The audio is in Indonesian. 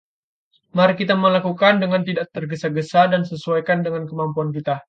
Mari kita melakukannya dengan tidak tergesa-gesa dan sesuaikan dengan kemampuan kita.